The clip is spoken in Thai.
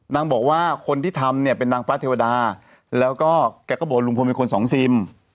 นางบอกว่าคนที่ทำเนี่ยเป็นนางพระเทวดาแล้วก็แกก็บอกว่าลุงพลเป็นคนสองซิม